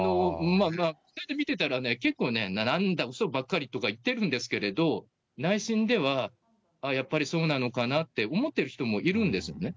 見てたらね、結構、なんだ、うそばっかりとか言ってるんですけど、内心では、ああ、やっぱりそうなのかなって思ってる人もいるんですよね。